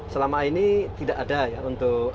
selama ini tidak ada ya untuk